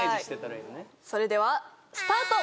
それではスタート！